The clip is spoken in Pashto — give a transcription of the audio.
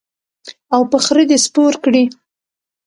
او په خره دې سپور کړي.